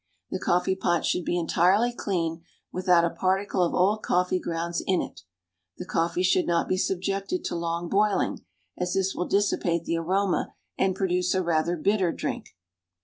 The coffee pot should be entirely clean, without a particle of old coffee grounds in it. The coffee should not be subjected to long boiling, as this will dissipate the aroma and produce a rather bitter drink.